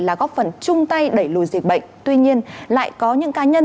là góp phần chung tay đẩy lùi dịch bệnh tuy nhiên lại có những cá nhân